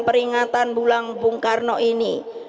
peringatan bulan bung karno ini